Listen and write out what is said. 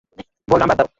বলরাম, বাদ দাও।